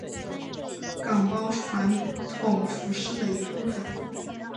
岗包传统服饰的一部分。